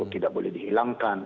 tidak boleh dihilangkan